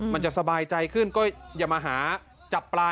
มันจะสบายใจขึ้นก็อย่ามาหาจับปลา